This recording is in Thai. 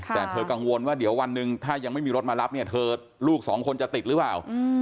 แต่เธอกังวลว่าเดี๋ยววันหนึ่งถ้ายังไม่มีรถมารับเนี่ยเธอลูกสองคนจะติดหรือเปล่า